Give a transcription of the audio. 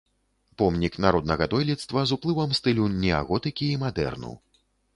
Помнік народнага дойлідства з уплывам стылю неаготыкі і мадэрну.